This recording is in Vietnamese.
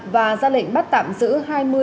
và ra lệnh bắt tạm giữ